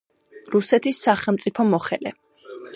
რუსეთის სახელმწიფო მოხელე.